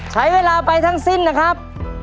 ใช้เวลาไปทั้งสิ้นนะครับ